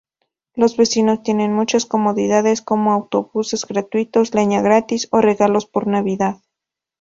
Los vecinos tienen muchas comodidades, como autobuses gratuitos, leña gratis o regalos por Navidad.